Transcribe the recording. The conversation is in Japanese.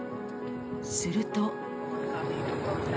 すると。